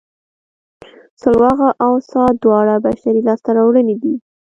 سلواغه او څا دواړه بشري لاسته راوړنې دي